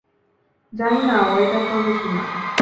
জানি না ও এটা করবে কিনা।